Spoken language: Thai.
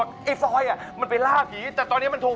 พี่ป๋องครับผมเคยไปที่บ้านผีคลั่งมาแล้ว